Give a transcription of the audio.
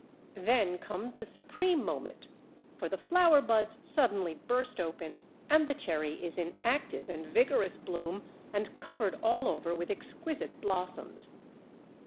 Then comes the supreme moment, for the flower buds suddenly burst open and the Cherry is in active and vigorous bloom and covered all over with exquisite blossoms.